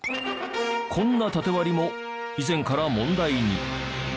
こんなタテ割りも以前から問題に。